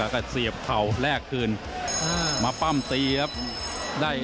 แล้วก็เสียบเข่าแลกคืนมาปั้มตีครับ